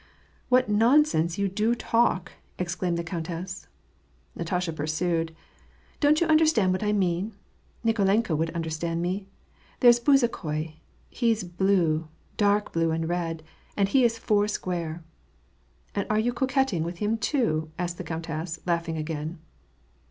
" What nonsense you do talk !" exclaimed the countess. Natasha pursued, "Don't you understand what I mean? Nikolenka would understand me. There's Bezukhoi, — he's blue, dark blue and red, and he is four square." "And are you coquetting with him too?" asked the countess, laughing again.